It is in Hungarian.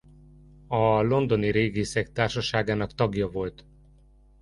A londoni régészek társaságának tagja volt.